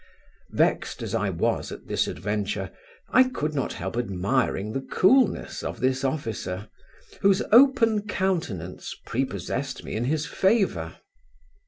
Vexed as I was at this adventure, I could not help admiring the coolness of this officer, whose open countenance prepossessed me in his favour.